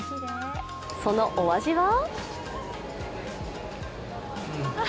そのお味は？